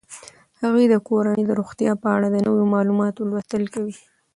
هغې د کورنۍ د روغتیا په اړه د نویو معلوماتو لوستل کوي.